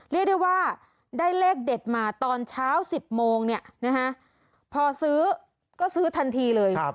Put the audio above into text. เรียกได้ว่าได้เลขเด็ดมาตอนเช้า๑๐โมงเนี่ยนะฮะพอซื้อก็ซื้อทันทีเลย